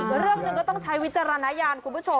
อีกเรื่องหนึ่งก็ต้องใช้วิจารณญาณคุณผู้ชม